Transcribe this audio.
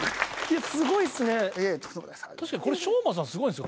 すごいっすね。